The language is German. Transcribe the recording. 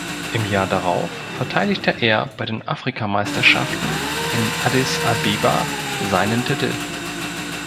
Im Jahr darauf verteidigte er bei den Afrikameisterschaften in Addis Abeba seinen Titel.